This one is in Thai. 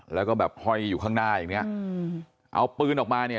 แล้วก็แบบห้อยอยู่ข้างหน้าอย่างเนี้ยอืมเอาปืนออกมาเนี่ย